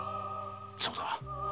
そうだ。